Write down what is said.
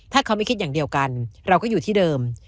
ถ้าเขาไม่คิดอย่างเดียวกันเราก็อยู่ที่เดิม